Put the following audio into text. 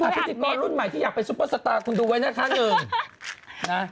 พิธิกรรุ่นใหม่ที่อยากเป็นซูเปอร์สตาร์คุณดูไว้หน้าทางอย่าง